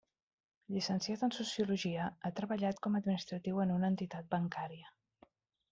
Llicenciat en sociologia, ha treballat com a administratiu en una entitat bancària.